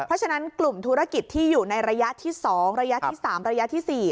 เพราะฉะนั้นกลุ่มธุรกิจที่อยู่ในระยะที่๒ระยะที่๓ระยะที่๔